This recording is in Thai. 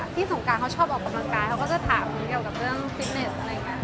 สงการเขาชอบออกกำลังกายเขาก็จะถามเกี่ยวกับเรื่องฟิตเนสอะไรกัน